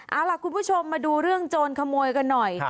เอาล่ะคุณผู้ชมมาดูเรื่องโจรขโมยกันหน่อย